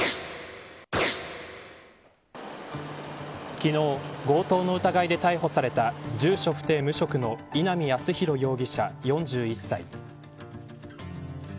昨日、強盗の疑いで逮捕された住所不定、無職の稲見康博容疑者、４１歳。